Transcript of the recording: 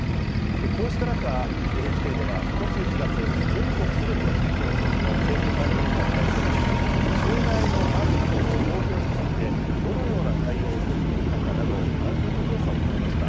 こうした中、ＮＨＫではことし１月、全国すべての市区町村の選挙管理委員会を対象に、障害のある人の投票について、どのような対応を取ってきたかなど、アンケート調査を行いました。